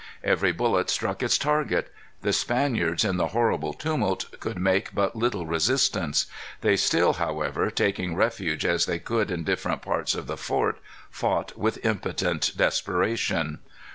Every bullet struck its target. The Spaniards, in the horrible tumult, could make but little resistance. They still, however, taking refuge as they could in different parts of the fort, fought with impotent desperation.